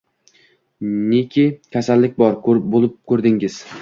Neki kasallik bor – bo’lib ko’rdingiz.